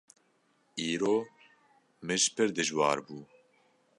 Îro mij pir dijwar bû.